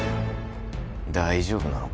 大丈夫なのか？